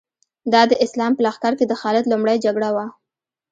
دا د اسلام په لښکر کې د خالد لومړۍ جګړه وه.